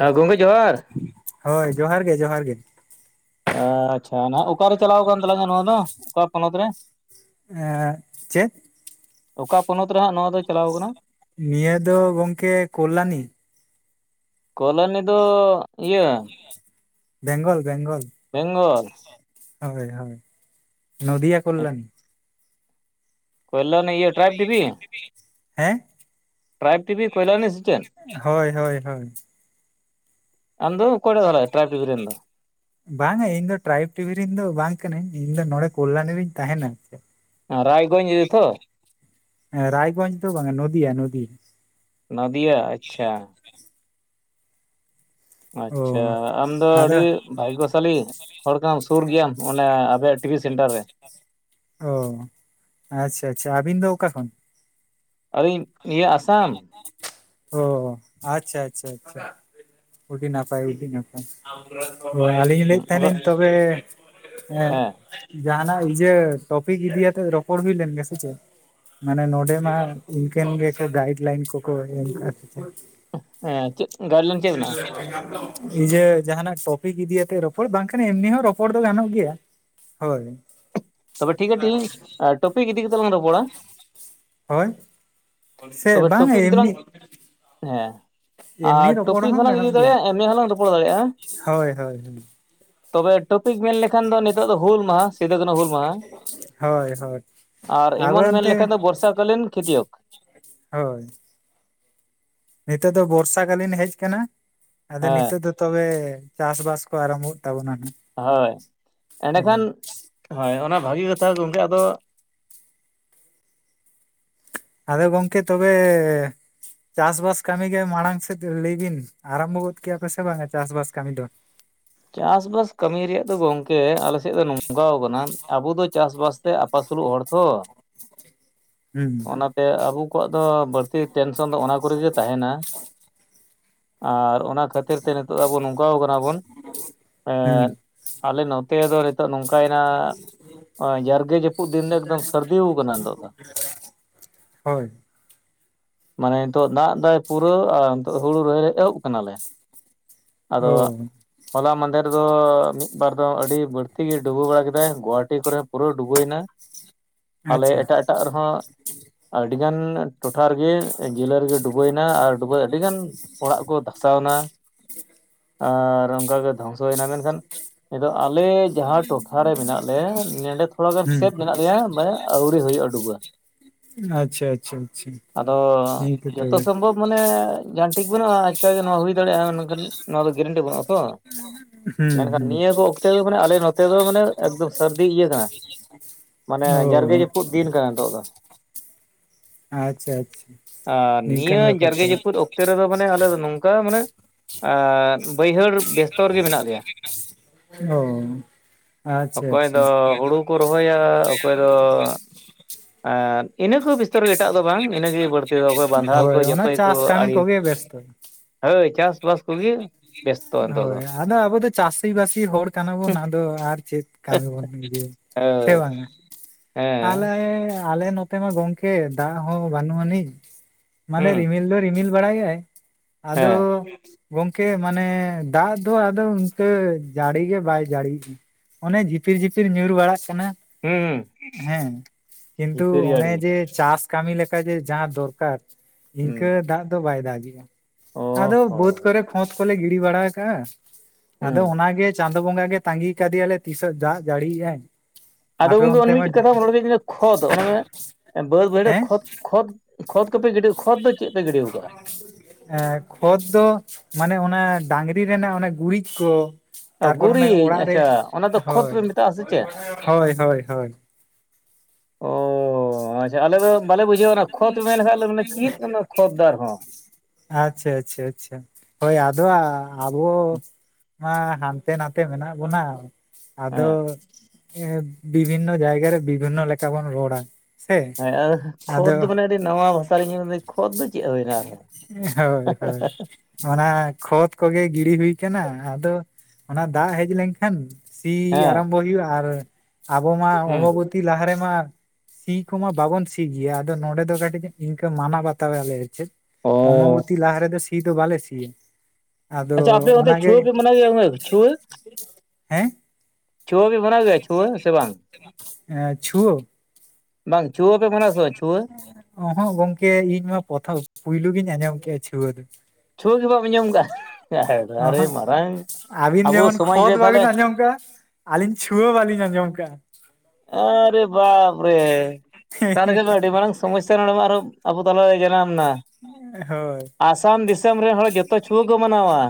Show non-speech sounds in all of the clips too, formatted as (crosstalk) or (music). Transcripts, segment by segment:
ᱦᱮᱸ ᱜᱚᱝᱠᱮ ᱡᱚᱦᱟᱨ ᱦᱚᱭ ᱡᱚᱦᱟᱨ ᱜᱮ-ᱡᱚᱦᱟᱨ ᱜᱮ ᱟᱪᱷᱟ ᱚᱠᱟᱨᱮ ᱪᱟᱞᱟᱣ ᱟᱠᱟᱱ ᱛᱟᱞᱟᱝᱟ ᱱᱚᱣᱟ ᱫᱚ ᱚᱠᱟ ᱯᱚᱱᱚᱛ ᱨᱮ? ᱪᱮᱫ? ᱚᱠᱟ ᱯᱚᱱᱚᱛ ᱨᱮᱦᱜ ᱱᱚᱣᱟ ᱫᱚᱭ ᱪᱟᱞᱟᱣ ᱟᱠᱟᱱᱟ? ᱱᱤᱭᱟᱹ ᱫᱚ ᱜᱚᱝᱠᱮ ᱠᱚᱞᱟᱱᱤ ᱠᱚᱞᱟᱱᱤ ᱫᱚ ᱤᱭᱟᱹ ᱵᱮᱝᱜᱚᱞ-ᱵᱮᱝᱜᱚᱞ ᱵᱮᱝᱜᱚᱞ ᱦᱚᱭ-ᱦᱚᱭ ᱱᱚᱫᱤᱭᱟ ᱠᱚᱞᱟᱱᱤ ᱠᱚᱭᱞᱟᱱᱤ ᱤᱭᱟᱹ ᱴᱨᱟᱭᱵᱽ ᱴᱤᱵᱷᱤ ᱦᱮᱸ ᱴᱨᱟᱭᱤᱵᱽ ᱴᱤᱵᱷᱤ ᱠᱚᱭᱞᱟᱱᱤ ᱥᱮ ᱪᱮᱫ ᱦᱚᱭ-ᱦᱚᱭ ᱟᱢᱫᱚ ᱠᱚᱲᱮᱫᱚᱞ ᱴᱨᱟᱯ ᱵᱨᱤᱱ ᱫᱚ ᱵᱟᱝᱼᱟ ᱤᱧ ᱫᱚ ᱴᱨᱟᱭᱤᱵᱽ ᱴᱤᱵᱷᱤ ᱨᱮᱱ ᱫᱚ ᱵᱟᱝ ᱠᱟᱹᱱᱟᱹᱧ ᱤᱧ ᱫᱚ ᱱᱚᱰᱮ ᱠᱚᱞᱟᱱᱤ ᱨᱤᱧ ᱛᱟᱦᱮᱸᱱᱟ᱾ ᱨᱟᱭᱜᱚᱡᱽ ᱤᱭᱟ. ᱛᱚ ᱨᱟᱭᱜᱚᱧᱡᱽ ᱫᱚ ᱵᱟᱝᱟ ᱱᱚᱫᱤᱭᱟ- ᱱᱚᱫᱤᱭᱟ ᱱᱚᱫᱤᱭᱟ ᱟᱪᱷᱟ ᱚ ᱟᱪᱷᱟ ᱟᱢᱫᱚ ᱟᱫᱚ ᱟᱹᱰᱤ ᱵᱷᱟᱜᱜᱚ ᱥᱟᱞᱤ ᱦᱚᱲ ᱠᱟᱱᱟᱢ ᱥᱩᱨ ᱜᱮᱭᱟᱢ ᱚᱱᱮ ᱟᱯᱮᱭᱟᱜ ᱴᱤᱵᱷᱤ ᱥᱮᱱᱴᱟᱨ ᱨᱮ ᱚ ᱟᱪᱷᱟ-ᱟᱪᱷᱟ ᱟᱹᱵᱤᱱ ᱫᱚ ᱚᱠᱟ ᱠᱷᱚᱱ? ᱟᱹᱞᱤᱧ ᱤᱭᱟᱹ ᱟᱥᱟᱢ ᱚ ᱟᱪᱷᱟ- ᱟᱪᱷᱟ, ᱟᱪᱷᱟ ᱩᱰᱤ ᱱᱟᱯᱟᱭ-ᱩᱰᱤ ᱱᱟᱯᱟᱭ ᱦᱳᱭ ᱟᱹᱞᱤᱧ ᱞᱟᱹᱭᱮᱫ ᱛᱟᱦᱮᱱᱟ. ᱟᱫᱚ ᱧ ᱛᱚᱵᱮ ᱦᱮᱸ ᱡᱟᱦᱟᱱᱟᱜ ᱤᱭᱟᱹᱮ ᱴᱚᱯᱤᱠ ᱤᱫᱤᱭᱟ ᱠᱟᱛᱮ ᱨᱚᱯᱚᱲ ᱦᱩᱭ ᱞᱮᱱ ᱜᱮ ᱥᱮ ᱪᱮ ᱢᱟᱱᱮ ᱱᱚᱰᱮ ᱢᱟ ᱤᱱᱠᱟᱹᱱ ᱜᱮᱠᱚ ᱜᱟᱭᱤᱰ ᱞᱟᱭᱤᱱ ᱠᱚᱠᱚ ᱮᱢ ᱠᱟᱜ-ᱟ᱾ ᱦᱮᱸ ᱪᱮᱫ ᱜᱟᱭᱤᱰ ᱞᱟᱭᱤᱱ ᱪᱮᱫ ᱢᱮᱱᱟᱜᱼᱟ? ᱟᱢ ᱛᱚ ᱤᱭᱟᱹ ᱡᱟᱦᱟᱱᱟᱜ ᱴᱚᱯᱤᱠ ᱤᱫᱤᱛᱮ ᱨᱚᱯᱚᱲ ᱵᱟᱝᱠᱷᱟᱱ ᱮᱢᱱᱤ ᱦᱚᱸ ᱨᱚᱯᱚᱲ ᱫᱚ ᱜᱟᱱᱚᱜ ᱜᱮᱭᱟ ᱦᱚᱭ ᱛᱚᱵᱮ ᱴᱷᱤᱠ ᱟᱪᱷᱮ ᱛᱮᱦᱮᱧ ᱴᱚᱯᱤᱠ ᱤᱫᱤ ᱠᱟᱛᱮᱜ ᱞᱟᱝ ᱨᱚᱯᱚᱲᱟ ᱦᱚᱭ ᱛᱚᱵᱮ ᱴᱚᱯᱤᱠ ᱫᱚᱞᱟᱝ ᱦᱮᱸ ᱮᱢᱱᱤ ᱟᱨ ᱨᱚᱯᱚᱲ ᱴᱚᱯᱤᱠ ᱦᱚᱸ ᱦᱚᱸᱞᱟᱝ ᱤᱫᱤ ᱜᱟᱱᱚᱜ ᱜᱮᱭᱟ ᱫᱟᱲᱮᱭᱟᱜᱼᱟ ᱮᱢᱱᱮ ᱦᱚᱞᱟᱝ ᱨᱚᱯᱚᱲ ᱫᱟᱲᱮᱭᱟᱜᱼᱟ᱾ ᱦᱳᱭ ᱦᱳᱭ ᱦᱳᱭ ᱛᱚᱵᱮ ᱴᱚᱯᱤᱠ ᱢᱮᱱ ᱞᱮᱠᱷᱟᱱ ᱫᱚ ᱱᱤᱛ ᱫᱚ ᱦᱩᱞ ᱢᱟᱦᱟ ᱥᱤᱫᱩ, ᱠᱟᱱᱦᱩ ᱦᱩᱞ ᱢᱟᱦᱟ ᱾ ᱦᱚᱭ -ᱦᱚᱭ ᱟᱨ ᱟᱵᱚ ᱮᱢᱚᱱ ᱢᱮᱱ ᱞᱮᱠᱷᱟᱱ ᱮᱱᱛᱮ ᱫᱚ ᱵᱚᱨᱥᱟ ᱠᱟᱞᱤᱱ ᱠᱷᱮᱛᱤᱭᱚᱠ ᱦᱚᱭ ᱱᱤᱛᱚᱜ ᱫᱚ ᱵᱚᱨᱥᱟ ᱠᱟᱞᱤᱱ ᱦᱮᱡ ᱟᱠᱟᱱᱟ ᱟᱫᱚ ᱦᱮᱸ ᱱᱤᱛᱚᱜ ᱫᱚ ᱛᱚᱵᱮ ᱪᱟᱥ-ᱵᱟᱥ ᱠᱚ ᱟᱨᱟᱢᱚᱜ ᱛᱟᱵᱚᱱᱟ ᱱᱷᱟᱜ ᱦᱚᱭ ᱮᱸᱰᱮᱠᱷᱟᱱ ᱦᱚᱭ ᱚᱱᱟ ᱵᱷᱟᱹᱜᱤ ᱠᱟᱛᱷᱟ ᱜᱚᱢᱠᱮ ᱟᱫᱚ ᱟᱫᱚ ᱜᱚᱝᱠᱮ ᱛᱚᱵᱮ ᱪᱟᱥ-ᱵᱟᱥ ᱠᱟᱹᱢᱤ ᱜᱮ ᱢᱟᱲᱟᱝ ᱥᱮᱫ ᱞᱟᱹᱭ ᱵᱤᱱ ᱟᱨᱟᱢᱵᱷᱚ ᱜᱚᱫ ᱠᱮᱭᱟᱯᱮ ᱥᱮ ᱵᱟᱝᱟ ᱪᱟᱥ-ᱵᱟᱥ ᱠᱟᱹᱢᱤ ᱫᱚ? ᱪᱟᱥ-ᱵᱟᱥ ᱠᱟᱹᱢᱤ ᱨᱮᱭᱟᱜ ᱫᱚ ᱜᱚᱝᱠᱮ ᱟᱞᱮᱥᱮᱫ ᱫᱚ ᱱᱚᱝᱠᱟ ᱟᱠᱟᱱᱟ ᱟᱵᱚ ᱫᱚ ᱪᱟᱥ-ᱵᱟᱥ ᱛᱮ ᱟᱹᱥᱩᱞᱚᱜ ᱦᱚᱲ ᱛᱚ ᱦᱩᱸ-ᱦᱩᱸ ᱚᱱᱟᱛᱮ ᱟᱵᱚ ᱠᱚᱣᱟᱜ ᱫᱚ ᱵᱟᱹᱲᱛᱤ ᱴᱮᱱᱥᱚᱱ ᱫᱚ ᱚᱱᱟ ᱠᱚᱨᱮ ᱜᱮ ᱛᱟᱦᱮᱱᱟ ᱾ ᱟᱨ ᱚᱱᱟ ᱠᱷᱟᱹᱛᱤᱨ ᱛᱮ ᱱᱤᱛᱚᱜ ᱟᱵᱚ ᱱᱚᱝᱠᱟ ᱟᱠᱟᱱᱟ ᱵᱚᱱ ᱦᱩᱸ ᱮᱸᱫ ᱟᱞᱮ ᱱᱚᱛᱮ ᱫᱚ ᱱᱤᱛᱚᱜ ᱱᱚᱝᱠᱟ ᱭᱮᱱᱟ ᱡᱟᱨᱜᱮ ᱡᱟᱹᱯᱩᱫ ᱫᱤᱱ ᱫᱚ ᱮᱠᱫᱚᱢ ᱥᱟᱹᱨᱫᱤ ᱟᱠᱟᱱᱟ ᱱᱤᱛᱚᱜ ᱫᱚ ᱦᱚᱭ᱾ ᱢᱟᱱᱮ ᱱᱤᱛᱚᱜ ᱫᱟᱜ ᱫᱟᱭ ᱯᱩᱨᱟᱹ ᱟᱨ ᱱᱤᱛᱚᱜ ᱦᱩᱲᱩ ᱨᱚᱦᱚᱭ ᱮᱦᱚᱵ ᱠᱟᱱᱟ ᱞᱮ, ᱚ ᱟᱫᱚ ᱦᱚᱞᱟ ᱢᱟᱫᱮᱨ ᱫᱚ ᱢᱤᱫ ᱵᱟᱨ ᱫᱚ ᱟᱹᱰᱤ ᱵᱟᱹᱲᱛᱤ ᱜᱮ ᱰᱩᱵᱩ ᱵᱟᱲᱟ ᱠᱮᱫᱟᱭ ᱜᱳᱦᱟᱴᱤ ᱠᱚᱨᱮ ᱯᱩᱨᱟᱹ ᱰᱩᱵᱟᱹᱭᱮᱱᱟ ᱟᱞᱮ ᱟᱪᱪᱷᱟ ᱮᱴᱟᱜ ᱮᱴᱟᱜ ᱨᱮᱦᱚᱸ ᱟᱹᱰᱤ ᱜᱟᱱ ᱴᱚᱴᱷᱟ ᱨᱮᱜᱮ ᱡᱮᱞᱟᱹ ᱨᱮᱜᱮ ᱰᱩᱵᱟᱹᱭᱮᱱᱟ ᱟᱨ ᱰᱩᱵᱟᱹ ᱟᱹᱰᱤ ᱜᱟᱱ ᱚᱲᱟᱜ ᱠᱚ ᱫᱷᱟᱥᱟᱣ ᱱᱟ, ᱟᱨ ᱚᱱᱠᱟᱜᱮ ᱫᱷᱚᱝᱥᱚᱭᱱᱟ ᱢᱮᱱᱠᱷᱟᱱ ᱟᱫᱚ ᱟᱞᱮ ᱡᱟᱦᱟᱸ ᱴᱚᱴᱷᱟ ᱨᱮ ᱢᱮᱱᱟᱜ ᱞᱮ ᱱᱮᱰᱮ ᱛᱷᱚᱲᱟ ᱜᱟᱱ ᱦᱩᱸ ᱥᱮᱯ ᱢᱮᱱᱟᱜ ᱞᱮᱭᱟ ᱢᱟᱱᱮ ᱟᱣᱨᱤ ᱦᱩᱭᱩᱜᱼᱟ ᱰᱩᱵᱟᱹ᱾ ᱟᱪᱪᱷᱟ ᱟᱪᱪᱷᱟ ᱟᱪᱪᱷᱟ, ᱟᱫᱚ ᱦᱮᱸ ᱛᱚ ᱡᱚᱛᱚ ᱛᱚᱵᱮ᱾ ᱥᱚᱢᱵᱷᱚᱵ ᱢᱟᱱᱮ ᱡᱟᱸᱦᱟᱱ ᱴᱷᱤᱠ ᱵᱟᱹᱱᱩᱜᱼᱟ ᱟᱪᱠᱟ ᱜᱮ ᱱᱚᱣᱟ ᱦᱩᱭ ᱫᱟᱲᱮᱭᱟᱜᱼᱟ ᱱᱩᱝᱠᱟᱱ ᱱᱚᱣᱟ ᱫᱚ ᱜᱮᱨᱮᱱᱴᱤ ᱵᱟᱹᱱᱩᱜᱼᱟ ᱛᱚ, ᱦᱩᱸ ᱢᱮᱱᱠᱷᱟᱱ ᱦᱩᱸ ᱱᱤᱭᱟᱹ ᱠᱚ ᱚᱠᱛᱮ ᱫᱚ ᱢᱟᱱᱮ ᱟᱞᱮ ᱱᱚᱛᱮ ᱫᱚ ᱢᱟᱱᱮ ᱮᱠᱫᱚᱢ ᱥᱟᱹᱨᱫᱤ ᱤᱭᱟᱹ ᱠᱟᱱᱟ᱾ ᱢᱟᱱᱮ ᱚ ᱡᱟᱨᱜᱮ ᱡᱟᱹᱯᱩᱫ ᱫᱤᱱ ᱠᱟᱱᱟ ᱱᱤᱛᱚᱜ ᱫᱚ᱾ ᱟᱪᱪᱷᱟ ᱟᱪᱪᱷᱟ ᱟᱨ ᱱᱤᱝᱠᱟᱹᱱ ᱱᱤᱭᱟᱹ ᱵᱮᱯᱟᱨ ᱡᱟᱨᱜᱮ ᱛᱚᱵᱮ ᱡᱟᱹᱯᱩᱫ ᱚᱠ ᱛᱮ ᱨᱮᱫᱚ ᱢᱟᱱᱮ ᱟᱞᱮ ᱫᱚ ᱱᱚᱝᱠᱟ ᱢᱟᱱᱮ ᱟᱻ ᱵᱟᱹᱭᱦᱟᱹᱲ ᱵᱮᱥᱛᱚ ᱨᱮᱜᱮ ᱢᱮᱱᱟᱜ ᱞᱮᱭᱟ (unintelligible) ᱦᱳᱭ, ᱚᱠᱚᱭ ᱫᱚ ᱦᱩᱲᱩ ᱠᱚ ᱨᱚᱦᱚᱭᱟ, ᱚᱠᱚᱭ ᱫᱚ ᱮᱸᱫ ᱤᱱᱟᱹ ᱠᱚ ᱵᱤᱥᱛᱚᱨ ᱮᱴᱟᱜ ᱫᱚ ᱵᱟᱝ ᱤᱱᱟᱹ ᱜᱮ ᱵᱟᱹᱲᱛᱤ ᱫᱚ ᱚᱠᱚᱭ ᱵᱟᱸᱫᱷᱟᱞ ᱠᱚ ᱦᱳᱭ ᱚᱱᱟ (unintelligible) ᱠᱚ ᱪᱟᱥ ᱠᱟᱹᱢᱤ ᱟᱲᱤ ᱠᱚᱜᱮ ᱵᱮᱥᱛᱚ ᱦᱚᱭ ᱪᱟᱥᱼᱵᱟᱥ ᱠᱚᱜᱤ ᱦᱚᱭ ᱟᱫᱚ ᱟᱵᱚ ᱫᱚ ᱪᱟᱥᱤ-ᱵᱟᱹᱥᱤ ᱦᱚᱲ ᱠᱟᱱᱟ ᱵᱚᱱ ᱟᱫᱚ ᱟᱨ ᱪᱮᱫ ᱠᱟᱱᱵᱚᱱ ᱢᱩᱫᱤ ᱥᱮ ᱦᱳᱭ ᱵᱟᱝᱼᱟ? ᱦᱮᱸ ᱛᱟᱦᱚᱞᱮ ᱟᱞᱮ ᱱᱚᱛᱮ ᱢᱟ ᱜᱚᱢᱠᱮ ᱫᱟᱜ ᱦᱚᱸ ᱵᱟᱹᱱᱩᱜ ᱟᱹᱱᱤᱡ, ᱢᱟᱱᱮ ᱦᱩᱸ ᱨᱤᱢᱤᱞ ᱫᱚ ᱨᱤᱢᱤᱞ ᱵᱟᱲᱟᱭ ᱭᱟᱭ ᱟᱫᱚ ᱦᱮᱸ ᱜᱚᱝᱠᱮ ᱢᱟᱱᱮ ᱫᱟᱜ ᱫᱚ ᱟᱫᱚ ᱤᱱᱠᱟᱹ ᱡᱟᱲᱤᱜᱮ ᱵᱟᱭ ᱡᱟᱲᱤ (unintelligible) ᱚᱱᱮ ᱡᱷᱤᱯᱤᱨ-ᱡᱷᱤᱯᱤᱨ ᱧᱩᱨ ᱵᱟᱲᱟᱜ ᱠᱟᱱᱟ ᱾ ᱦᱩᱸ ᱦᱩᱸ᱾ ᱦᱮᱸ ᱠᱤᱱᱛᱩ ᱡᱷᱤᱯᱤᱨ ᱚᱱᱮ ᱡᱟᱹᱲᱤ ᱡᱮ ᱪᱟᱥ ᱠᱟᱹᱢᱤ ᱞᱮᱠᱟ ᱡᱮ ᱡᱟᱦᱟᱸ ᱫᱚᱨᱠᱟᱨ ᱤᱱᱠᱟᱹ ᱦᱩᱸ ᱫᱟᱜ ᱫᱚ ᱵᱟᱭ ᱫᱟᱜᱮᱜᱼᱟ ᱚ ᱟᱫᱚ ᱵᱟᱹᱫ ᱠᱷᱚᱛ ᱠᱚᱞᱮ ᱜᱤᱲᱤ ᱵᱟᱲᱟ ᱠᱟᱜᱼᱟ ᱟᱫᱚ ᱦᱚᱸ ᱚᱱᱟ ᱜᱮ ᱪᱟᱸ ᱫᱚ ᱵᱚᱸᱜᱟ ᱜᱮ ᱛᱟᱺᱜᱤ ᱠᱟᱫᱮᱭᱟᱞᱮ ᱛᱤᱥ ᱦᱚᱸ ᱫᱟᱜ ᱡᱟᱹᱲᱤᱭᱮᱜᱼᱟᱭ, ᱟᱫᱚ ᱟᱯᱮ ᱜᱚᱢᱠᱮ ᱚᱱ ᱚᱱᱛᱮ ᱢᱟ ᱢᱤᱫᱴᱮᱡ ᱠᱟᱛᱷᱟ (unintelligible) ᱠᱷᱚᱫ ᱚᱱᱮ ᱵᱟᱹᱫ ᱵᱟᱹᱭᱦᱟᱹᱲ ᱨᱮ ᱦᱮᱸ ᱠᱷᱚᱛ ᱠᱷᱚᱛ ᱠᱷᱚᱛ ᱠᱚᱯᱮ ᱜᱤᱰᱤ ᱠᱷᱚᱫ ᱫᱚ ᱪᱮᱫ ᱯᱮ ᱜᱤᱰᱤ ᱠᱟᱜᱼᱟ? ᱮᱸ ᱠᱷᱚᱛ ᱫᱚ ᱢᱟᱱᱮ ᱚᱱᱟ ᱰᱟᱝᱨᱤ ᱨᱮᱱᱟᱜ ᱚᱱᱟ ᱜᱩᱨᱤᱡ ᱠᱚ᱾ ᱟ, ᱛᱟᱨ ᱯᱚᱨ ᱮᱸ ᱜᱩᱨᱤᱡ ᱚᱲᱟᱜ ᱨᱮ ᱟᱪᱪᱷᱟ ᱚᱱᱟ ᱫᱚ ᱠᱷᱚᱛ ᱦᱳᱭ ᱯᱮ ᱢᱮᱛᱟᱜᱼᱟ ᱥᱮ ᱪᱮᱫ ᱦᱳᱭ, ᱦᱚᱭ ᱦᱚᱭ᱾ ᱚᱻ ᱟᱪᱪᱷᱟ ᱟᱞᱮ ᱫᱚ ᱵᱟᱞᱮ ᱵᱩᱡᱷᱟᱹᱣᱟ ᱚᱱᱟ ᱠᱷᱚᱛ ᱢᱮᱱᱠᱷᱟᱱ ᱪᱮᱫ ᱠᱷᱚᱛ ᱫᱚ ᱟᱨ ᱦᱚᱸ᱾ ᱟᱪᱪᱷᱟ ᱟᱪᱪᱷᱟ ᱟᱪᱪᱷᱟ ᱦᱳᱭ ᱟᱫᱚ ᱟᱵᱚ ᱢᱟ ᱦᱟᱸᱱᱛᱮ ᱱᱟᱛᱮ ᱢᱮᱱᱟᱜ ᱵᱚᱱᱟ, ᱟᱫᱚ ᱦᱮᱸ ᱵᱤᱵᱷᱤᱱᱱᱚ ᱡᱟᱭᱜᱟ ᱨᱮ ᱵᱤᱵᱷᱤᱱᱱᱚ ᱞᱮᱠᱟ ᱵᱚᱱ ᱨᱚᱲᱟ᱾ ᱥᱮ ᱦᱮᱸ ᱟᱫᱚ ᱠᱷᱚᱛ ᱫᱚ ᱟᱫᱚ ᱢᱟᱱᱮ ᱟᱹᱰᱤ ᱱᱟᱣᱟ ᱵᱷᱟᱥᱟ ᱞᱤᱧ ᱠᱷᱚᱫ ᱫᱚ ᱪᱮᱫ ᱦᱩᱭᱱᱟ ᱟᱨᱦᱚ᱾ ᱦᱳᱭ ᱦᱳᱭ᱾ ᱚᱱᱟ ᱠᱷᱚᱛ ᱠᱚᱜᱮ ᱜᱤᱲᱤ ᱦᱩᱭ ᱠᱟᱱᱟ ᱟᱫᱚ ᱚᱱᱟ ᱫᱟᱜ ᱦᱮᱡ ᱞᱮᱱᱠᱷᱟᱱ ᱥᱤ ᱦᱮᱸ ᱟᱨᱟᱢᱵᱚ ᱦᱩᱭᱩᱜᱼᱟ ᱟᱨ ᱟᱵᱚ ᱢᱟ ᱦᱩᱸ ᱚᱵᱟᱵᱚᱛᱤ ᱞᱟᱦᱟ ᱨᱮᱢᱟ ᱥᱤ ᱠᱚᱢᱟ ᱵᱟᱵᱚᱱ ᱥᱤ ᱜᱮᱭᱟ ᱟᱫᱚ ᱱᱚᱸᱰᱮ ᱫᱚ ᱠᱟᱹᱴᱤᱡ ᱤᱱᱠᱟᱹ ᱢᱟᱱᱟᱣ ᱵᱟᱛᱟᱣ ᱟᱞᱮ ᱪᱮᱫ ᱚ ᱚᱢᱵᱚᱛᱤ ᱞᱟᱦᱟ ᱨᱮᱫᱚ ᱥᱤ ᱫᱚ ᱵᱟᱞᱮ ᱥᱤᱭᱟ᱾ ᱟᱫᱚ ᱟᱪᱪᱷᱟ ᱟᱯᱮ ᱚᱱᱛᱮ ᱚᱱᱟᱜᱮ ᱪᱷᱩᱣᱟᱹ ᱯᱮ ᱢᱟᱱᱟᱣ ᱜᱮᱭᱟ ᱪᱷᱩᱣᱟᱹ? ᱦᱮᱸ ᱪᱷᱩᱣᱟᱹ ᱯᱮ ᱵᱱᱟᱣ ᱜᱮᱭᱟ ᱪᱷᱩᱣᱟᱹ ᱥᱮ ᱵᱟᱝ? ᱪᱷᱩᱣᱟᱹ ᱵᱟᱝ ᱪᱷᱩᱣᱟᱹ ᱯᱮ ᱢᱱᱟ ᱥᱮᱣᱟ ᱪᱷᱩᱣᱟᱹ? ᱚ ᱦᱚᱸᱜ ᱜᱚᱝᱠᱮ ᱤᱧ ᱢᱟ ᱯᱨᱚᱛᱷᱚᱢ ᱯᱩᱭᱞᱩ ᱜᱤᱧ ᱟᱸᱡᱚᱢ ᱠᱮᱜᱼᱟ ᱪᱷᱩᱣᱟᱹ ᱫᱚ᱾ ᱪᱷᱣᱟᱹ ᱜᱮ ᱵᱟᱢ ᱟᱸᱡᱚᱢ ᱠᱟᱜᱼᱟ ᱚᱦᱚᱸᱜ (unintelligible) ᱢᱟᱨᱟᱝ ᱟᱹᱵᱤᱱ ᱟᱵᱚ ᱡᱮᱢᱚᱱ ᱥᱚᱢᱟᱡᱽ ᱠᱷᱚᱛ ᱨᱮ ᱵᱟᱟᱹᱵᱤᱱ ᱛᱟᱦᱚᱞᱮ ᱟᱸᱡᱚᱢ ᱠᱟᱜᱼᱟ, ᱟᱹᱞᱤᱧ ᱪᱷᱩᱣᱟᱹ ᱵᱟᱞᱤᱧ ᱟᱸᱡᱚᱢ ᱟᱠᱟᱟᱜᱼᱟ᱾ ᱟᱨᱮ ᱵᱟᱯ ᱨᱮ! ᱛᱟᱦᱚᱞᱮ ᱠᱷᱟᱱ ᱟᱹᱰᱤ ᱢᱟᱨᱟᱝ ᱥᱚᱢᱚᱥᱥᱟ ᱱᱚᱰᱮ ᱢᱟ ᱟᱨᱚᱸ ᱟᱵᱚ ᱛᱟᱞᱟᱨᱮ (unintelligible) ᱟᱢ ᱱᱟ ᱦᱳᱭ ᱟᱥᱟᱢ ᱫᱤᱥᱚᱢ ᱨᱮᱱ ᱦᱚᱲ ᱡᱚᱛᱚ ᱪᱷᱩᱣᱟᱹ ᱠᱚ ᱢᱟᱱᱟᱣᱟ᱾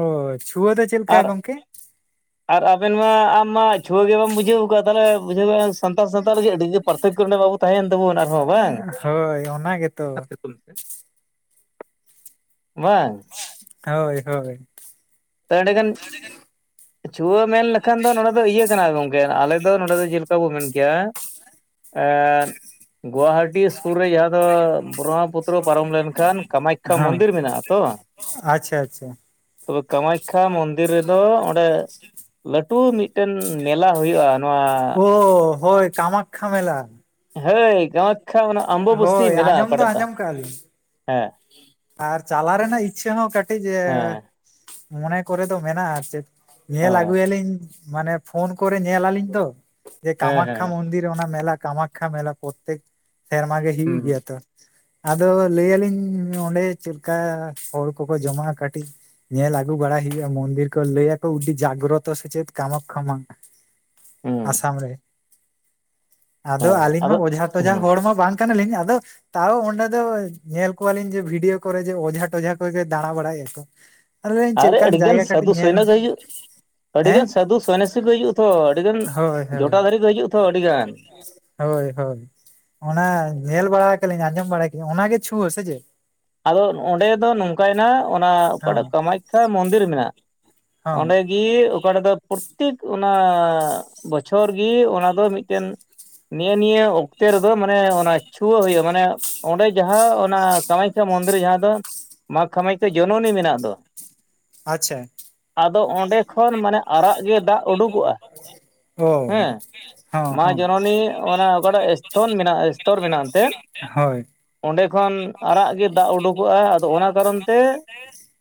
ᱚ ᱪᱷᱩᱣᱟᱹ ᱫᱚ ᱪᱮᱫ ᱞᱮᱠᱟ ᱟᱨ ᱜᱚᱝᱠᱮ? ᱟᱨ ᱟᱵᱮᱱ ᱢᱟ ᱟᱢ ᱢᱟ ᱪᱷᱩᱣᱟᱹ ᱜᱮ ᱵᱟᱢ ᱵᱩᱡᱷᱟᱹᱣ ᱠᱟᱜᱼᱟ ᱛᱟᱦᱚᱞᱮ ᱵᱩᱡᱷᱟᱹᱣ ᱥᱟᱱᱛᱟᱲ ᱥᱟᱶᱛᱟ ᱞᱟᱹᱜᱤᱫ ᱟᱹᱰᱤ ᱜᱮ ᱯᱟᱨᱛᱮᱠᱚ ᱨᱮᱵᱚᱱ ᱛᱟᱦᱮᱭᱮᱱ ᱛᱟᱵᱚᱱ ᱟᱨᱦᱚᱸ ᱵᱟᱝ ᱦᱳᱭ ᱚᱱᱟ ᱜᱮ ᱛᱚ ᱵᱟᱝ ᱦᱳᱭ ᱦᱳᱭ ᱛᱮ ᱮᱸᱰᱮ ᱜᱟᱱ ᱪᱷᱩᱣᱟᱹ ᱢᱮᱱ ᱞᱮᱠᱷᱟᱱ ᱫᱚ ᱱᱚᱰᱮ ᱫᱚ ᱤᱭᱟᱹ ᱠᱟᱱᱟ ᱜᱚᱝᱠᱮ ᱟᱞᱮ ᱫᱚ ᱱᱚᱰᱮ ᱫᱚ ᱡᱮᱞᱮᱠᱟ ᱵᱚ ᱢᱮᱱ ᱠᱮᱭᱟ ᱜᱚᱣᱟᱴ ᱴᱤ ᱥᱩᱨ ᱨᱮ ᱡᱟᱦᱟᱸ ᱫᱚ ᱵᱨᱚᱦᱢᱟ ᱯᱩᱛᱨᱚ ᱯᱟᱨᱚᱢ ᱞᱮᱱᱠᱷᱟᱱ ᱠᱟᱢᱟᱠᱷᱟᱭᱟ ᱦᱚᱸ ᱢᱚᱱᱫᱤᱨ ᱢᱮᱱᱟᱜᱼᱟ ᱛᱚ ᱟᱪᱪᱷᱟ ᱟᱪᱪᱷᱟ ᱛᱚᱵᱮ ᱠᱟᱢᱟᱠᱷᱟᱭᱟ ᱢᱚᱱᱫᱤᱨ ᱨᱮᱫᱚ ᱚᱸᱰᱮ ᱞᱟᱹᱴᱩ ᱢᱤᱫᱴᱮᱱ ᱢᱮᱞᱟ ᱦᱩᱭᱩᱜᱼᱟ᱾ ᱱᱚᱣᱟ ᱚ ᱦᱳᱭ ᱠᱟᱢᱟᱠᱷᱟ ᱢᱮᱞᱟ ᱦᱳᱭ ᱠᱟᱢᱟᱠᱠᱷᱟ ᱚᱱᱟ ᱟᱢᱵᱚ ᱵᱚᱥᱥᱤ ᱦᱳᱭ ᱢᱮᱞᱟ ᱟᱸᱡᱚᱢ ᱫᱚ ᱚᱠᱟᱴᱟᱜ ᱛᱟᱢ ᱟᱸᱡᱚᱢ ᱠᱟᱜᱼᱟ ᱞᱤᱧ ᱦᱮᱸ ᱟᱨ ᱪᱟᱞᱟ ᱨᱮᱱᱟᱜ ᱤᱪᱪᱷᱟᱹ ᱦᱚᱸ ᱠᱟᱹᱴᱤᱡᱽ ᱦᱮᱸ ᱢᱚᱱᱮ ᱠᱚᱨᱮ ᱫᱚ ᱢᱮᱱᱟᱜᱼᱟ ᱟᱨ ᱪᱮᱫ ᱚ ᱧᱮᱞ ᱟᱹᱜᱩ ᱭᱟᱞᱤᱧ ᱢᱟᱱᱮ ᱯᱷᱳᱱ ᱠᱚᱨᱮ ᱧᱮᱞ ᱟᱹᱞᱤᱧ ᱛᱚ᱾ ᱡᱮ ᱦᱮᱸ ᱠᱟᱢᱟᱠᱠᱷᱟ ᱦᱮᱸ ᱢᱚᱱᱫᱤᱨ ᱚᱱᱟ ᱢᱮᱞᱟ ᱠᱟᱢᱟᱠᱠᱷᱟ ᱢᱮᱞᱟ ᱯᱨᱚᱛᱮᱠ ᱥᱮᱨᱢᱟ ᱜᱮ ᱦᱩᱭᱩᱜ ᱦᱩᱸ ᱜᱮᱭᱟ ᱛᱚ ᱟᱫᱚ ᱞᱟᱹᱭ ᱟᱞᱤᱧ ᱚᱸᱰᱮ ᱪᱮᱫ ᱞᱮᱠᱟ ᱦᱚᱲ ᱠᱚᱠᱚ ᱡᱚᱢᱟᱼᱟ ᱠᱟᱹᱴᱤᱡᱽ ᱧᱮᱞ ᱟᱹᱜᱩ ᱵᱟᱲᱟᱭ ᱦᱩᱭᱩᱜ ᱢᱚᱱᱫᱤᱨ ᱠᱚ ᱞᱟᱹᱭ ᱭᱟᱠᱚ ᱩᱫᱤ ᱡᱟᱜᱨᱚᱛᱚ ᱥᱮ ᱪᱮᱫ ᱠᱟᱢᱟᱠᱷᱟ ᱢᱟ ᱦᱩᱸ ᱟᱥᱟᱢ ᱨᱮ ᱟᱫᱚ ᱟᱹᱞᱤᱧ ᱢᱟ ᱚᱡᱷᱟ ᱴᱚᱡᱟ ᱦᱩᱸ ᱦᱚᱲᱢᱟ ᱵᱟᱝ ᱠᱟᱱᱟᱞᱤᱧ ᱟᱫᱚ ᱛᱟᱣ ᱚᱸᱰᱮ ᱫᱚ ᱧᱮᱞ ᱠᱚᱣᱟᱞᱤᱧ ᱡᱮ ᱵᱷᱤᱰᱭᱳ ᱠᱚᱨᱮ ᱡᱮ ᱚᱡᱷᱟ ᱴᱚᱡᱷᱟ ᱠᱚᱜᱮ ᱫᱟᱬᱟ ᱵᱟᱲᱟᱭᱼᱭᱟᱠᱚ ᱟᱫᱚᱧ ᱪᱮᱫ ᱟᱨᱮ ᱞᱮᱠᱟᱱ ᱡᱟᱭᱜᱟ ᱠᱟᱹᱴᱤᱡᱽ ᱧᱮᱞ ᱟᱹᱰᱤ ᱦᱮᱸ ᱜᱟᱱ ᱥᱟᱫᱷᱩ ᱥᱚᱱᱭᱟᱥᱤ ᱠᱚ ᱦᱤᱡᱩᱜᱼᱟ ᱛᱷᱚ ᱟᱹᱰᱤ ᱜᱟᱱ ᱦᱳᱭ ᱡᱚᱴᱟ ᱦᱳᱭ ᱫᱷᱟᱹᱨᱤ ᱠᱚ ᱦᱤᱡᱩᱜᱼᱟ ᱛᱷᱚ ᱟᱹᱰᱤ ᱜᱟᱱ ᱦᱳᱭ ᱦᱳᱭ ᱚᱱᱟ ᱧᱮᱞ ᱵᱟᱲᱟ ᱠᱟᱞᱤᱧ ᱟᱸᱡᱚᱢ ᱵᱟᱲᱟ ᱠᱟᱞᱤᱧ ᱚᱱᱟ ᱜᱮ ᱪᱷᱩᱣᱟᱹ ᱥᱮ ᱪᱮ? ᱟᱫᱚ ᱚᱸᱰᱮ ᱫᱚ ᱱᱚᱝᱠᱟᱭ ᱱᱟ ᱚᱱᱟ ᱦᱚᱸ ᱚᱠᱟᱴᱟᱜ ᱠᱟᱢᱟᱠᱷᱟᱭᱟ ᱢᱚᱱᱫᱤᱨ ᱢᱮᱱᱟᱜ ᱦᱚᱸ ᱚᱸᱰᱮ (unintelligible) ᱚᱠᱟᱴᱟᱜ ᱫᱚ ᱯᱨᱚᱛᱮᱠ ᱚᱱᱟ ᱵᱚᱪᱷᱚᱨ ᱜᱤ ᱚᱱᱟ ᱫᱚ ᱢᱤᱫᱴᱮᱱ ᱱᱤᱭᱟᱹ ᱱᱤᱭᱟᱹ ᱚᱠᱛᱮ ᱨᱮᱫᱚ ᱢᱟᱱᱮ ᱚᱱᱟ ᱪᱷᱩᱣᱟᱹ ᱦᱩᱭᱩᱜ ᱢᱟᱱᱮ ᱚᱸᱰᱮ ᱡᱟᱦᱟᱸ ᱚᱱᱟ ᱠᱟᱢᱟᱭ ᱢᱚᱱᱫᱤᱨ ᱡᱟᱦᱟᱸ ᱫᱚ ᱢᱟ ᱠᱟᱢᱟᱠᱷᱟᱭᱟ ᱡᱚᱱᱚᱱᱤ ᱢᱮᱱᱟᱜ ᱫᱚ ᱟᱪᱪᱷᱟ ᱟᱫᱚ ᱚᱸᱰᱮ ᱠᱷᱚᱱ ᱢᱟᱱᱮ ᱟᱨᱟᱜ ᱜᱮ ᱫᱟᱜ ᱩᱰᱩᱠᱚᱜᱼᱟ (unintelligible) ᱚ (unintelligible) ᱦᱚᱸ ᱦᱮᱸ ᱦᱚᱸ ᱢᱟ ᱡᱚᱱᱚᱱᱤ ᱡᱟᱱᱚᱱᱤ ᱚᱱᱟ ᱚᱠᱟᱴᱟᱜ ᱥᱛᱷᱚᱱ ᱢᱮᱱᱟᱜᱼᱟ ᱥᱛᱚᱨ ᱢᱮᱱᱟᱜ ᱮᱱᱛᱮᱫ (unintelligible) ᱦᱳᱭ ᱚᱸᱰᱮ ᱠᱷᱚᱱ ᱟᱨᱟᱜ ᱜᱮ ᱫᱟᱜᱽ ᱩᱰᱩᱠᱚᱜᱼᱟ ᱟᱫᱚ ᱚᱱᱟ ᱠᱟᱨᱚᱱ ᱛᱮ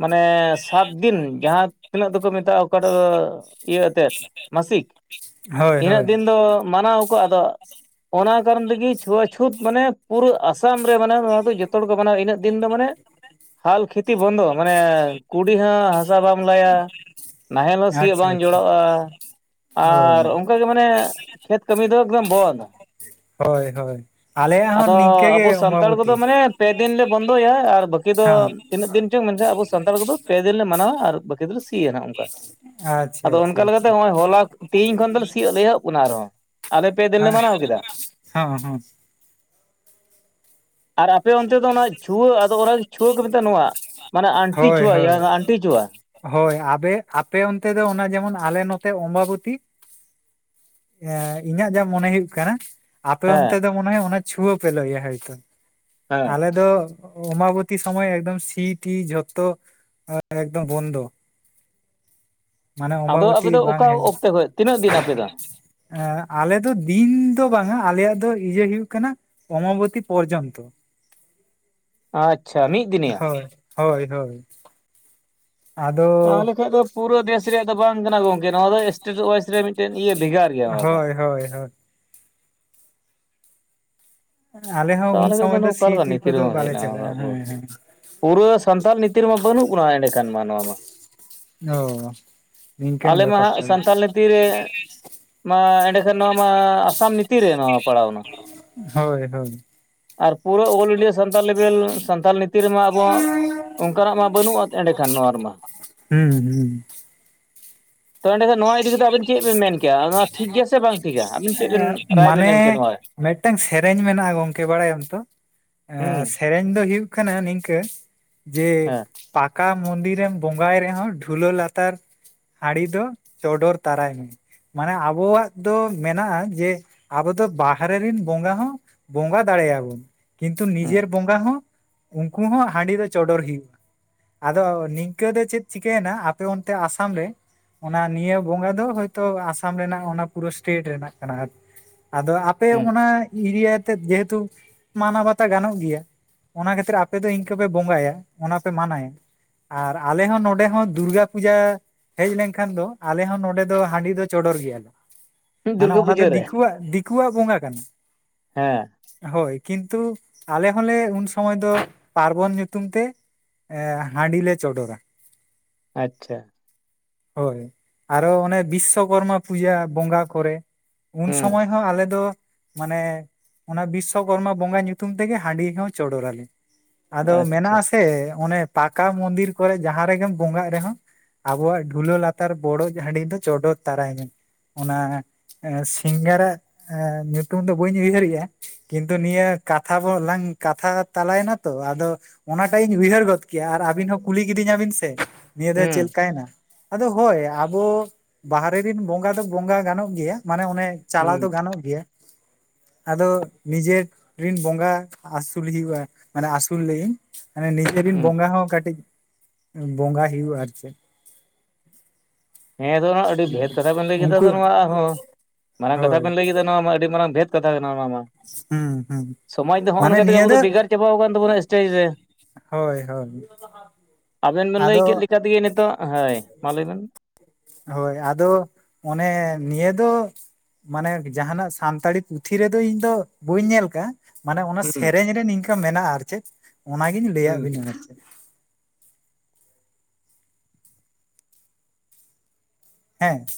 ᱢᱟᱱᱮ ᱥᱟᱛ ᱫᱤᱱ ᱡᱟᱦᱟᱸ ᱛᱤᱱᱟᱹᱜ ᱫᱚᱠᱚ ᱢᱮᱛᱟᱜᱼᱟ ᱚᱠᱟᱴᱟᱜ ᱫᱚ ᱤᱭᱟᱹ ᱟᱛᱮᱫ ᱢᱟᱥᱤᱠ ᱦᱳᱭ ᱤᱱᱟᱹᱜ ᱦᱳᱭ ᱫᱤᱱ ᱫᱚ ᱢᱟᱱᱟᱣ ᱟᱠᱚ ᱟᱫᱚ ᱚᱱᱟ ᱠᱟᱨᱚᱱ ᱛᱮᱜᱮ ᱪᱷᱩᱣᱟᱪᱷᱩᱸᱛ ᱢᱟᱱᱮ ᱯᱩᱨᱟᱹ ᱟᱥᱟᱢ ᱨᱮ ᱢᱟᱱᱮ ᱱᱚᱣᱟ ᱫᱚ ᱡᱚᱛᱚ ᱦᱚᱲ ᱠᱚ ᱢᱟᱱᱟᱣᱟ ᱤᱱᱟᱹᱜ ᱫᱤᱱ ᱫᱚ ᱢᱟᱱᱮ (unintelligible) ᱦᱟᱞ ᱠᱷᱮᱛᱤ ᱵᱚᱱᱫᱚ ᱢᱟᱱᱮ ᱠᱩᱰᱤ ᱦᱚᱸ ᱦᱟᱥᱟ ᱵᱟᱢ ᱞᱟᱭᱟ ᱱᱟᱦᱮᱞ ᱦᱚᱸ ᱥᱤᱭᱚᱜ ᱟᱪᱪᱷᱟ ᱵᱟᱝ ᱟᱪᱪᱷᱟ ᱡᱚᱲᱟᱣᱼᱟ ᱚ ᱟᱨ ᱚᱱᱠᱟ ᱜᱮ ᱢᱟᱱᱮ ᱠᱷᱮᱛ ᱠᱟᱹᱢᱤ ᱫᱚ ᱮᱠᱫᱚᱢ ᱵᱚᱱᱫ ᱦᱳᱭ ᱦᱳᱭ ᱟᱞᱮᱭᱟᱜ ᱦᱚᱸ ᱱᱤᱝᱠᱟᱹ ᱜᱮ ᱟᱵᱚ ᱥᱟᱱᱛᱟᱲ ᱚᱢᱵᱚᱵᱚᱛᱤ ᱠᱚᱫᱚ ᱢᱟᱱᱮ ᱯᱮ ᱫᱤᱱ ᱞᱮ ᱵᱚᱱᱫᱚᱭᱟ ᱟᱨ ᱵᱟᱹᱠᱤ ᱫᱚ ᱛᱤᱱᱟᱹᱜ ᱫᱤᱱ ᱪᱚᱝ ᱢᱮᱱᱠᱷᱟᱱ ᱟᱵᱚ ᱥᱟᱱᱛᱟᱲ ᱠᱚᱫᱚ ᱯᱮ ᱫᱤᱱ ᱞᱮ ᱢᱟᱱᱟᱣᱟ ᱟᱨ ᱵᱟᱹᱠᱤ ᱫᱚᱞᱮ ᱥᱤᱭᱟ ᱱᱟᱜ ᱚᱱᱠᱟ ᱟᱪᱪᱷᱟ ᱟᱫᱚ ᱟᱪᱪᱷᱟ ᱚᱱᱠᱟ ᱞᱮᱠᱟᱛᱮ ᱦᱚᱸᱜᱼᱚᱭ ᱦᱚᱞᱟ ᱛᱤᱦᱤᱧ ᱠᱷᱚᱱ ᱫᱚᱞᱮ ᱥᱤᱭᱚᱜ ᱞᱮ ᱮᱦᱚᱵᱽ ᱠᱟᱱᱟ ᱟᱨᱦᱚᱸ ᱟᱞᱮ ᱯᱮ ᱫᱤᱱ ᱟᱪᱪᱷᱟ ᱞᱮ ᱢᱟᱱᱟᱣ ᱠᱮᱫᱟ᱾ ᱦᱚᱸ ᱦᱚᱸ ᱟᱨ ᱟᱯᱮ ᱚᱱᱛᱮ ᱫᱚ ᱱᱟ ᱪᱷᱩᱣᱟᱹ ᱟᱫᱚ ᱚᱱᱟ ᱪᱷᱩᱣᱟᱹ ᱠᱚ ᱢᱮᱛᱟᱜᱼᱟ ᱱᱚᱣᱟ ᱢᱟᱱᱮ ᱟᱱᱴᱤ ᱦᱳᱭ ᱪᱷᱩᱣᱟᱹ ᱦᱳᱭ ᱡᱟᱦᱟᱸ ᱟᱱᱴᱤ ᱪᱷᱩᱣᱟ ᱦᱳᱭ ᱟᱵᱮ ᱟᱯᱮ ᱚᱱᱛᱮ ᱫᱚ ᱚᱱᱟ ᱡᱮᱢᱚᱱ ᱟᱞᱮ ᱱᱚᱛᱮ ᱚᱢᱵᱚᱵᱚᱛᱤ ᱤᱧᱟᱹᱜ ᱡᱟ ᱢᱚᱱᱮ ᱦᱩᱭᱩᱜ ᱠᱟᱱᱟ ᱟᱯᱮ ᱦᱮᱸ ᱚᱱᱛᱮ ᱫᱚ ᱢᱚᱱᱮᱦᱚᱭ ᱚᱱᱮ ᱪᱷᱩᱣᱟᱹ ᱯᱮ ᱞᱟᱹᱭᱟ ᱦᱚᱭᱛᱚ ᱦᱮᱸ ᱟᱞᱮ ᱫᱚ ᱚᱢᱵᱟᱵᱚᱛᱤ ᱥᱚᱢᱚᱭ ᱮᱠᱫᱚᱢ ᱥᱤ ᱴᱤ ᱡᱚᱛᱚ ᱮᱜᱫᱚᱢ ᱵᱚᱱᱫᱚ᱾ ᱢᱟᱱᱮ ᱟᱫᱚ ᱟᱯᱮ ᱚᱢᱵᱟᱵᱚᱛᱤ ᱫᱚ ᱵᱟᱝ ᱚᱠᱟ ᱚᱠᱛᱮ ᱠᱷᱚᱡ ᱛᱤᱱᱟᱹᱜ ᱫᱤᱱ ᱟᱯᱮ ᱫᱚ᱾ ᱮ ᱟᱞᱮ ᱫᱚ ᱫᱤᱱ ᱫᱚ ᱵᱟᱝ ᱟ ᱟᱞᱮᱭᱟᱜ ᱫᱚ ᱤᱭᱟᱹ ᱦᱩᱭᱩᱜ ᱠᱟᱱᱟ ᱚᱢᱵᱚᱵᱚᱛᱤ ᱯᱚᱨᱡᱚᱱᱛᱚ᱾ ᱟᱪᱪᱷᱟ ᱢᱤᱫ ᱫᱤᱱ ᱭᱟ ᱦᱳᱭ ᱦᱳᱭ ᱦᱳᱭ ᱟᱫᱚ ᱛᱟᱦᱚᱞᱮ ᱠᱷᱟᱱ ᱫᱚ ᱯᱩᱨᱟᱹ ᱫᱮᱥ ᱨᱮᱭᱟᱜ ᱫᱚ ᱵᱟᱝ ᱠᱟᱱᱟ ᱜᱚᱝᱠᱮ ᱱᱚᱣᱟ ᱫᱚ ᱮᱥᱴᱮᱴ ᱳᱣᱟᱭᱤᱡ ᱨᱮ ᱢᱤᱫᱴᱮᱱ ᱵᱷᱮᱜᱟᱨ ᱜᱮᱭᱟ ᱱᱚᱣᱟ ᱫᱚ ᱦᱳᱭ ᱦᱳᱭ ᱟᱞᱮ ᱦᱚᱸ ᱛᱚ ᱩᱱ ᱟᱞᱮ ᱥᱮᱫ ᱥᱚᱢᱚᱭ ᱫᱚ ᱚᱠᱟ ᱥᱤ ᱞᱮᱠᱟ ᱴᱤ ᱱᱤᱛᱤ ᱠᱚᱫᱚ ᱵᱟᱞᱮ ᱪᱟᱞᱟᱜᱼᱟ ᱦᱮᱸ ᱦᱮᱸ (unintelligible) ᱯᱩᱨᱟᱹ ᱥᱟᱱᱛᱟᱲ ᱱᱤᱛᱤ ᱨᱮᱢᱟ ᱵᱟᱹᱱᱩᱜ ᱵᱚᱱᱟ ᱮᱸᱰᱮᱠᱷᱟᱱ ᱢᱟ ᱱᱚᱣᱟ ᱢᱟ᱾ ᱚ ᱱᱤᱝᱠᱟᱹᱱ ᱟᱞᱮ ᱢᱟ ᱵᱮᱯᱟᱨ ᱦᱟᱜ ᱛᱟᱵᱮᱱ ᱥᱟᱱᱛᱟᱞ ᱞᱤᱛᱤ ᱨᱮᱻ ᱢᱟ ᱮᱸᱰᱮᱠᱷᱟᱱ ᱱᱚᱣᱟ ᱢᱟ ᱟᱥᱟᱢ ᱱᱤᱛᱤ ᱨᱮ ᱱᱚᱣᱟ ᱯᱟᱲᱟᱣ ᱱᱟ ᱦᱳᱭ ᱦᱳᱭ ᱟᱨ ᱯᱩᱨᱟᱹ ᱚᱞ ᱤᱱᱰᱤᱭᱟ ᱥᱟᱱᱛᱟᱞ ᱞᱮᱵᱮᱞ ᱥᱟᱱᱛᱟᱞ ᱱᱤᱛᱤ (unintelligible) ᱨᱮᱢᱟ ᱟᱵᱚᱣᱟ ᱚᱱᱠᱟᱱᱟᱜ ᱢᱟ ᱵᱟᱹᱱᱩᱜ-ᱟ ᱮᱸᱰᱮᱠᱷᱟᱱ ᱱᱚᱣᱟ ᱨᱮᱢᱟ ᱦᱩᱸ ᱛᱚ ᱮᱸᱰᱮ ᱠᱷᱟᱱ ᱱᱚᱣᱟ ᱤᱫᱤ ᱠᱟᱛᱮᱫ ᱟᱵᱤᱱ ᱪᱮᱫ ᱵᱮᱤᱱ ᱢᱮᱱ ᱠᱮᱭᱟ ᱚᱱᱟ ᱴᱷᱤᱠ ᱜᱮᱭᱟ ᱥᱮ ᱵᱟᱝ ᱴᱷᱤᱠᱟ ᱟᱵᱮᱱ ᱪᱮᱫ ᱵᱤᱱ ᱨᱟᱭ ᱵᱮᱱ ᱮᱢ ᱠᱮᱭᱟ ᱱᱚᱣᱟ ᱨᱮ? ᱢᱮᱫᱴᱟᱝ ᱥᱮᱨᱮᱧ ᱢᱮᱱᱟᱜ-ᱟ ᱜᱚᱝᱠᱮ ᱵᱟᱲᱟᱭᱟᱢ ᱛᱚ ᱦᱩᱸ ᱮᱻ ᱥᱮᱨᱮᱧ ᱫᱚ ᱦᱩᱭᱩᱜ ᱠᱟᱱᱟ ᱱᱤᱝᱠᱟᱹ ᱡᱮ ᱦᱮᱸ ᱯᱟ ᱯᱟᱠᱟ ᱢᱚᱱᱫᱤᱨᱮᱢ ᱵᱚᱸᱜᱟᱭ ᱨᱮᱦᱚᱸ ᱰᱷᱩᱞᱟᱹ ᱞᱟᱛᱟᱨ ᱦᱟᱲᱤ ᱫᱚ ᱪᱚᱰᱚᱨ ᱛᱟᱨᱟᱭ ᱢᱮ᱾ ᱢᱟᱱᱮ ᱟᱵᱚᱣᱟᱜ ᱫᱚ ᱢᱮᱱᱟᱜ-ᱟ ᱡᱮ ᱟᱵᱚ ᱫᱚ ᱵᱟᱦᱨᱮ ᱨᱮᱱ ᱵᱚᱸᱜᱟ ᱦᱚᱸ ᱵᱚᱸᱜᱟ ᱫᱟᱲᱮ ᱟᱵᱚᱱ ᱠᱤᱱᱛᱩ ᱱᱤᱡᱮᱨ ᱵᱚᱸᱜᱟ ᱦᱚᱸ ᱩᱱᱠᱩ ᱦᱚᱸ ᱦᱟᱹᱰᱤ ᱫᱚ ᱪᱚᱰᱚᱨ ᱦᱩᱭᱩᱜ-ᱟ᱾ ᱟᱫᱚ ᱱᱤᱝᱠᱟᱹ ᱫᱚ ᱪᱮᱫ ᱪᱤᱠᱟᱹᱭᱮᱱᱟ ᱟᱯᱮ ᱚᱱᱛᱮ ᱟᱥᱟᱢ ᱨᱮ ᱚᱱᱟ ᱱᱤᱭᱟᱹ ᱵᱚᱸᱜᱟ ᱫᱚ ᱦᱚᱭᱛᱚ ᱟᱥᱟᱢ ᱨᱮᱱᱟᱜ ᱚᱱᱟ ᱯᱩᱨᱟᱹ ᱥᱴᱮᱴ ᱨᱮᱱᱟᱜ ᱠᱟᱱᱟ ᱟᱨ ᱟᱫᱚ ᱟᱯᱮ ᱦᱩᱸ ᱚᱱᱟ ᱮᱨᱤᱭᱟᱛᱮᱫ ᱡᱮᱦᱮᱛᱩ ᱢᱟᱱᱟᱣ ᱵᱟᱛᱣ ᱜᱟᱱᱚᱜ ᱜᱮᱭᱟ ᱚᱱᱟ ᱠᱷᱟᱹᱛᱤᱨ ᱟᱯᱮ ᱫᱚ ᱤᱱᱠᱟᱹ ᱯᱮ ᱵᱚᱸᱜᱟᱭᱟ ᱚᱱᱟ ᱯᱮ ᱢᱟᱱᱟᱭᱟ ᱟᱨ ᱟᱞᱮ ᱦᱚᱸ ᱱᱚᱰᱮ ᱦᱚᱸ ᱫᱩᱨᱜᱟ ᱯᱩᱡᱟᱹ ᱦᱮᱡ ᱞᱮᱱ ᱠᱷᱟᱱ ᱫᱚ ᱟᱞᱮ ᱦᱚᱸ ᱱᱚᱰᱮ ᱫᱚ ᱦᱟᱹᱰᱤ ᱫᱚ ᱪᱚᱰᱚᱨ ᱜᱮᱭᱟᱞᱮ᱾ ᱦᱩᱸ ᱢᱟᱱᱮ ᱫᱩᱨᱜᱟᱹ ᱚᱱᱟ ᱫᱚ ᱯᱩᱡᱟᱹ ᱨᱮ ᱫᱤᱠᱩᱣᱟᱜ ᱫᱤᱠᱩᱣᱟᱜ ᱵᱚᱸᱜᱟ ᱠᱟᱱᱟ᱾ ᱦᱮᱸ ᱦᱳᱭ ᱠᱤᱱᱛᱩ ᱟᱞᱮ ᱦᱚᱸᱞᱮ ᱩᱱ ᱥᱚᱢᱚᱭ ᱫᱚ ᱯᱟᱨᱵᱚᱱ ᱧᱩᱛᱩᱢ ᱛᱮ ᱦᱟᱹᱰᱤ ᱞᱮ ᱪᱚᱰᱚᱨᱟ᱾ ᱟᱪᱪᱷᱟ ᱦᱳᱭ ᱟᱨᱚ ᱚᱱᱮ ᱵᱤᱥᱥᱚᱠᱚᱨᱢᱟ ᱯᱩᱡᱟ ᱵᱚᱸᱜᱟ ᱠᱚᱨᱮ ᱩᱱ ᱦᱩᱸ ᱥᱚᱢᱚᱭ ᱦᱚᱸ ᱟᱞᱮ ᱫᱚ ᱢᱟᱱᱮ ᱚᱱᱟ ᱵᱤᱥᱥᱚ ᱠᱚᱨᱢᱟ ᱵᱚᱸᱜᱟ ᱧᱩᱛᱩᱢ ᱛᱮᱜᱮ ᱦᱟᱺᱰᱤ ᱦᱚᱸ ᱪᱚᱰᱚᱨᱟᱞᱮ᱾ ᱟᱫᱚ ᱟᱪᱪᱷᱟ ᱢᱮᱱᱟᱜ ᱟᱥᱮ ᱚᱱᱮ ᱯᱟᱠᱟ ᱢᱚᱱᱫᱤᱨ ᱠᱚᱨᱮ ᱡᱟᱦᱟᱸ ᱨᱮᱜᱮᱢ ᱵᱚᱸᱜᱟᱜ ᱨᱮᱦᱚᱸ ᱟᱵᱚᱣᱟᱜ ᱫᱷᱩᱞᱟᱹ ᱞᱟᱛᱟᱨ ᱵᱚᱰᱚᱡ ᱦᱟᱺᱰᱤ ᱫᱚ ᱪᱚᱰᱚᱨ ᱛᱟᱨᱟᱭ ᱢᱮ᱾ ᱚᱱᱟ ᱥᱤᱝᱜᱟᱨᱟᱜ ᱧᱩᱛᱩᱢ ᱫᱚ ᱵᱟᱹᱧ ᱩᱭᱦᱟᱹᱨᱮᱜ-ᱟ᱾ ᱠᱤᱱᱛᱩ ᱱᱤᱭᱟᱹ ᱠᱟᱛᱷᱟ ᱵᱚᱞᱟᱝ ᱠᱟᱛᱷᱟ ᱛᱟᱞᱟᱭ ᱮᱱᱟ ᱛᱚ ᱟᱫᱚ ᱚᱱᱟᱴᱟᱜ ᱤᱧ ᱩᱭᱦᱟᱹᱨ ᱜᱚᱫ ᱠᱮᱭᱟ ᱟᱨ ᱟᱵᱤᱱ ᱦᱚᱸ ᱠᱩᱞᱤ ᱠᱤᱫᱤᱧᱟ ᱵᱤᱱ ᱥᱮ ᱱᱤᱭᱟᱹ ᱫᱚ ᱪᱮᱫ ᱦᱩᱸ ᱞᱮᱠᱟᱭᱮᱱᱟ ᱟᱫᱚ ᱦᱳᱭ ᱟᱵᱚ ᱵᱟᱦᱨᱮ ᱨᱮᱱ ᱵᱚᱸᱜᱟ ᱫᱚ ᱵᱚᱸᱜᱟ ᱜᱟᱱᱚᱜ ᱜᱮᱭᱟ ᱢᱟᱱᱮ ᱚᱱᱮ ᱪᱟᱞᱟᱣ ᱦᱩᱸ ᱫᱚ ᱜᱟᱱᱚᱜ ᱜᱮᱭᱟ᱾ (inaudible) ᱟᱫᱚ ᱱᱤᱡᱮᱨ ᱨᱤᱱ ᱵᱚᱸᱜᱟ ᱟᱹᱥᱩᱞ ᱦᱩᱭᱩᱜ-ᱟ ᱢᱟᱱᱮ ᱟᱹᱥᱩᱞ ᱞᱤᱧ ᱢᱟᱱᱮ ᱱᱤᱡᱮᱨ ᱨᱮᱱ ᱦᱩᱸ ᱵᱚᱸᱜᱟ ᱦᱚᱸ ᱠᱟᱹᱴᱤᱡ ᱵᱚᱸᱜᱟ ᱦᱩᱭᱩᱜ-ᱟ ᱟᱨ ᱪᱮᱫ? ᱦᱮᱸ ᱛᱚ ᱱᱚᱣᱟ ᱟᱹᱰᱤ ᱵᱷᱮᱫ ᱠᱟᱛᱷᱟ ᱵᱮᱱ ᱞᱟᱹᱭ ᱠᱮᱫᱟ ᱩᱱᱠᱩ ᱛᱚ ᱱᱚᱣᱟ ᱟᱨᱦᱚᱸ ᱢᱟᱨᱟᱝ ᱠᱟᱛᱷᱟ ᱦᱳᱭ ᱵᱮᱱ ᱞᱟᱹᱭ ᱠᱮ ᱱᱚᱣᱟ ᱢᱟ ᱟᱹᱰᱤ ᱢᱟᱨᱟᱝ ᱵᱷᱮᱫᱽ ᱠᱟᱛᱷᱟ ᱠᱟᱱᱟ ᱱᱚᱣᱟ ᱢᱟ ᱦᱩᱸ ᱦᱩᱸ ᱥᱚᱢᱟᱡᱽ ᱫᱚ ᱱᱚᱜ-ᱚ ᱢᱟᱱᱮ ᱱᱚᱝᱠᱟ ᱛᱮ ᱱᱤᱭᱟᱹ ᱟᱵᱚ ᱫᱚ ᱵᱷᱮᱜᱟᱨ ᱪᱟᱵᱟᱣ ᱟᱠᱟᱱ ᱛᱟᱵᱚᱱᱟ ᱥᱴᱮᱡ ᱨᱮ ᱦᱳᱭ ᱦᱳᱭ ᱾ ᱟᱵᱤᱱ ᱵᱤᱱ ᱞᱟᱹᱭ ᱠᱮᱫ ᱞᱮᱠᱟ ᱛᱮᱜᱮ ᱱᱤᱛᱳᱜ, ᱦᱳᱭ ᱢᱟ ᱞᱟᱹᱭ ᱵᱮᱱᱼᱼ ᱦᱳᱭ, ᱟᱫᱚ ᱚᱱᱮ ᱱᱤᱭᱟᱹ ᱫᱚᱼᱼ ᱢᱟᱱᱮ ᱡᱟᱦᱟᱱᱟᱜ ᱥᱟᱱᱛᱟᱲᱤ ᱯᱩᱛᱷᱤ ᱨᱮᱫᱚ ᱤᱧ ᱫᱚ, ᱵᱟᱹᱧ ᱧᱮᱞ ᱠᱟᱜ-ᱟ ᱾ ᱢᱟᱱᱮ ᱚᱱᱟ ᱦᱩᱸ ᱥᱮᱨᱮᱧ ᱨᱮ ᱱᱤᱝᱠᱟᱹ ᱢᱮᱱᱟᱜᱼᱟ ᱟᱨ ᱪᱮᱫ, ᱚᱱᱟᱜᱤᱧ ᱞᱟᱹᱭᱟᱫ ᱦᱩᱸ ᱵᱤᱱᱟ ᱾ ᱦᱮᱸ ᱾